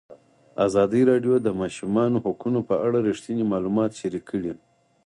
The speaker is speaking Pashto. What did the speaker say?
ازادي راډیو د د ماشومانو حقونه په اړه رښتیني معلومات شریک کړي.